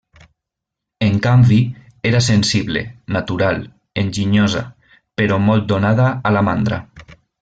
En canvi, era sensible, natural, enginyosa, però molt donada a la mandra.